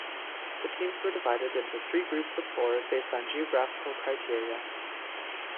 The teams were divided into three groups of four based on geographical criteria.